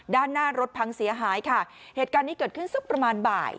ด้านหน้ารถพังเสียหายค่ะเหตุการณ์นี้เกิดขึ้นสักประมาณบ่าย